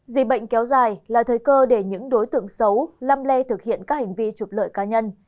dịch bệnh kéo dài là thời cơ để những đối tượng xấu lăm le thực hiện các hành vi trục lợi cá nhân